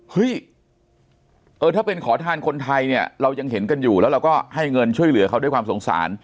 เฮ้ยเออถ้าเป็นขอทานคนไทยเนี่ยเรายังเห็นกันอยู่แล้วเราก็ให้เงินช่วยเหลือเขาด้วยความสงสาร